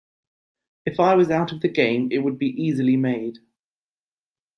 If I was out of the game it would be easily made.